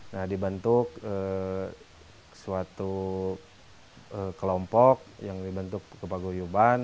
nah dibentuk suatu kelompok yang dibentuk ke pak guyubar